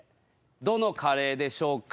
どのカレーでしょうか？